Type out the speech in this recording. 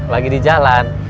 lagi di jalan